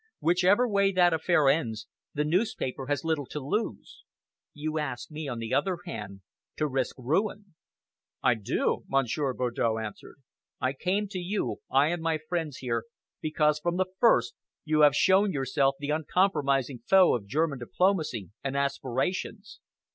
Whichever way that affair ends, the newspaper has little to lose! You ask me, on the other hand, to risk ruin!" "I do!" Monsieur Bardow answered. "I came to you, I and my friends here, because, from the first, you have shown yourself the uncompromising foe of German diplomacy and aspirations.